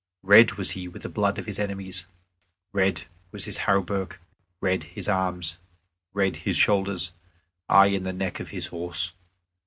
Red was he with the blood of his enemies, red was his hauberk, red his arms, red his shoulders, aye, and the neck of his horse.